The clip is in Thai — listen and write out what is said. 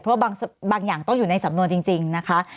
เพราะบางอย่างต้องอยู่ในสำนวนจริงนะคะ